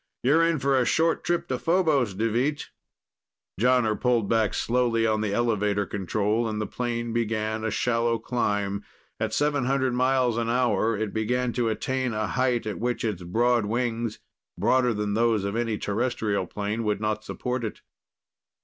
"You're in for a short trip to Phobos, Deveet." Jonner pulled back slowly on the elevator control, and the plane began a shallow climb. At 700 miles an hour, it began to attain a height at which its broad wings broader than those of any terrestrial plane would not support it.